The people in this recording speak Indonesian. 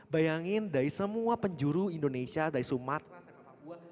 bayangin dari semua penjuru indonesia dari sumatera sampai papua